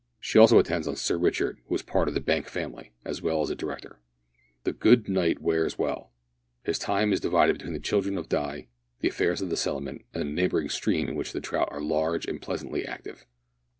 She also attends on Sir Richard, who is part of the Bank family, as well as a director. The good knight wears well. His time is divided between the children of Di, the affairs of the settlement, and a neighbouring stream in which the trout are large and pleasantly active.